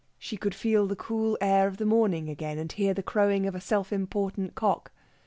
She could feel the cool air of the morning again, and hear the crowing of a self important cock.